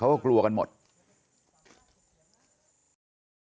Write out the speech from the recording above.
ชาวบ้านในพื้นที่บอกว่าปกติผู้ตายเขาก็อยู่กับสามีแล้วก็ลูกสองคนนะฮะ